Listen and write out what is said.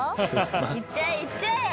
いっちゃえいっちゃえ！